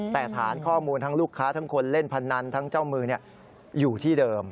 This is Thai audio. แต่ฐานข้อมูลทั้งลูกค้าทั้งคนเล่นพนันทั้งเจ้ามืออยู่ที่เดิม